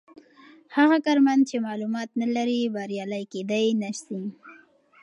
هغه کارمند چې معلومات نلري بریالی کیدای نسي.